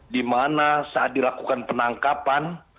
di mana saat dilakukan penangkapan